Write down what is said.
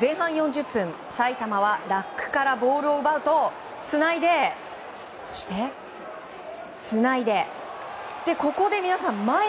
前半４０分埼玉はラックからボールを奪うとつないで、そしてつないでここで皆さん前へ。